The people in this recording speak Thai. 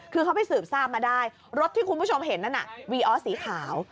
คือเขาไปสืบทราบมาได้รถที่คุณผู้ชมเห็นนั่นน่ะวีออสสีขาว